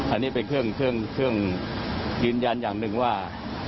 อันนี้เป็นเครื่องยืนยันอย่างหนึ่งว่า